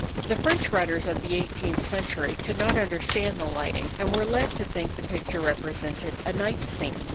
The French writers of the eighteenth century could not understand the lighting, and were led to think the picture represented a night scene.